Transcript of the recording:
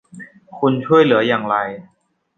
คุณช่วยเหลืออย่างไร